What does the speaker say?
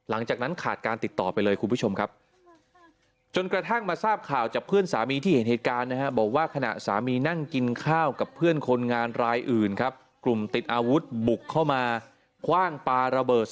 อะไรอื่นครับกลุ่มติดอาวุธบุกเข้ามาคว่างปลาระเบิด